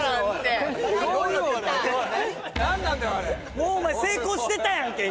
もうお前成功してたやんけ今。